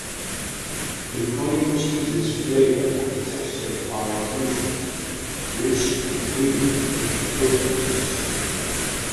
Pinconning cheese's flavor and texture are unusual; rich and creamy with an open texture.